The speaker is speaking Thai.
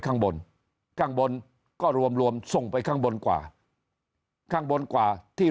ข้างบนข้างบนก็รวมรวมส่งไปข้างบนกว่าข้างบนกว่าที่